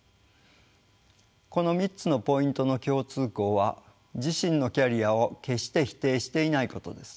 この３つのポイントの共通項は自身のキャリアを決して否定していないことです。